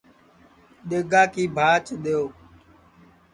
دؔیگا کی بھاچ دؔیو